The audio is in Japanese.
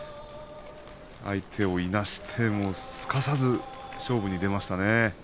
相手をいなして、すかさず勝負に出ましたね。